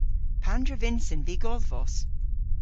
Pandr'a vynsen vy godhvos?